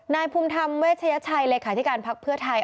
นายภูมิธรรมเวชยชัยเลขาธิการพักเพื่อไทย